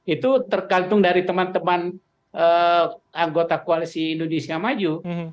itu tergantung dari teman teman anggota koalisi indonesia maju